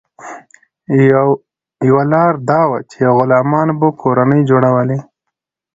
یوه لار دا وه چې غلامانو به کورنۍ جوړولې.